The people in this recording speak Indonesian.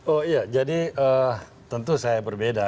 oh iya jadi tentu saya berbeda